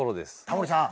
タモリさん